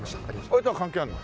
あれとは関係あるの？